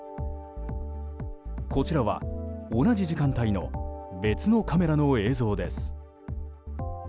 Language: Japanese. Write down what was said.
こちらは、同じ時間帯の別のカメラの映像です。